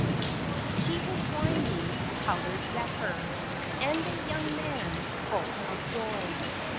GRANPA WAS winding col¬ ored zephyr, and the young man, full of joy.